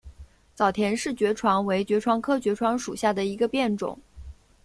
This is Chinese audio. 早田氏爵床为爵床科爵床属下的一个变种。